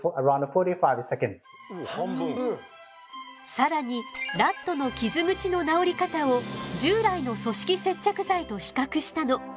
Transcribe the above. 更にラットの傷口の治り方を従来の組織接着剤と比較したの。